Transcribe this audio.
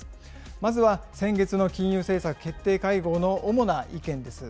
まずは先月の金融政策決定会合の主な意見です。